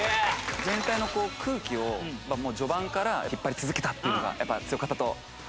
全体の空気を序盤から引っ張り続けたっていうのがやっぱ強かったと思います。